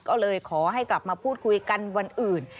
ก็เลยขอให้กลับมาพูดคุยกันวันอื่น